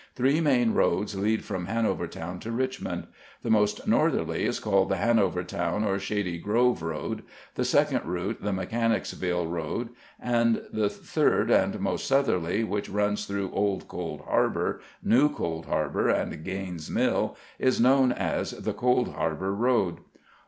Three main roads lead from Han overtown to Richmond. The most northerly is called the Hanovertown or Shady G rove road; the second route, the Mechanicsville road; the third and most southerly, which runs through Old Cold Harbor, New Cold Harbor, and Gaines's Mill, is known as the Cold Harbor road.